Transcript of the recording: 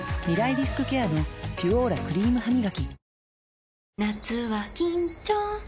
リスクケアの「ピュオーラ」クリームハミガキ